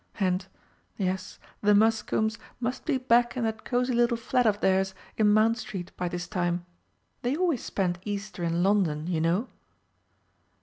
And yes, the Muscombes must be back in that cosy little flat of theirs in Mount Street by this time. They always spend Easter in London, you know."